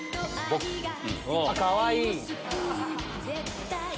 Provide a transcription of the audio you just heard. かわいい！